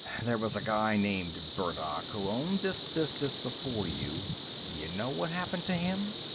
"There was a guy named Burdock who owned this business before you. Y'know what happened to him?"